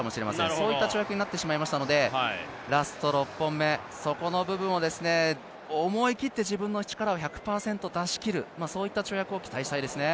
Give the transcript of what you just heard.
そういった跳躍になってしまいましたので、ラスト６本目、そこの部分を思い切って自分の力を１００％出し切る、そういった跳躍を期待したいですね。